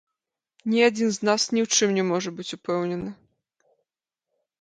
Ні адзін з нас ні ў чым не можа быць упэўнены.